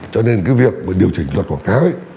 cho nên cái việc điều chỉnh luật quảng cáo